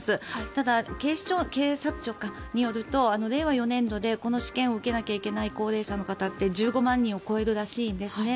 ただ、警察庁によると令和４年度でこの試験を受けなきゃいけない高齢者の方って１５万人を超えるらしいんですね。